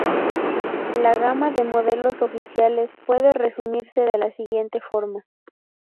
La gama de modelos oficiales puede resumirse de la la siguiente forma.